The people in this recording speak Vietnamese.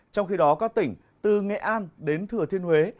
trong khi đó các tỉnh từ nghệ an đến thừa thiên huế